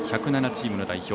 １０７チームの代表